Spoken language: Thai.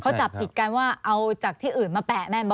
เขาจับผิดกันว่าเอาจากที่อื่นมาแปะแม่หมอ